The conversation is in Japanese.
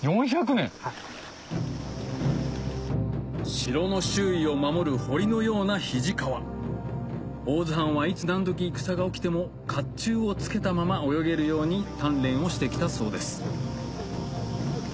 城の周囲を守る堀のような肱川大洲藩はいつ何時戦が起きても甲冑をつけたまま泳げるように鍛錬をして来たそうです